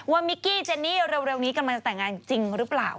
มิกกี้เจนนี่เร็วนี้กำลังจะแต่งงานจริงหรือเปล่า